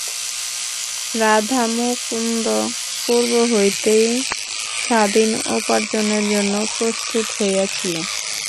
রাধামুকুন্দ পূর্ব হইতেই স্বাধীন উপার্জনের জন্য প্রস্তুত হইয়াছিল।